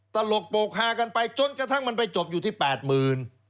ตลกโปรกฮากันไปจนกระทั่งมันไปจบอยู่ที่แปดหมื่น